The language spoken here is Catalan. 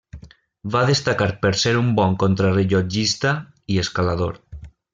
Va destacar per ser un bon contrarellotgista i escalador.